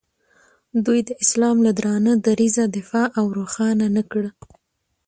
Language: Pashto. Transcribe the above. دوی د اسلام له درانه دریځه دفاع او روښانه نه کړ.